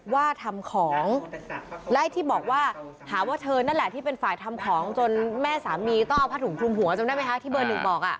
ว่าทำของและไอ้ที่บอกว่าหาว่าเธอนั่นแหละที่เป็นฝ่ายทำของจนแม่สามีต้องเอาผ้าถุงคลุมหัวจำได้ไหมคะที่เบอร์หนึ่งบอกอ่ะ